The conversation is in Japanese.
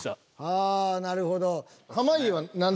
ああなるほど。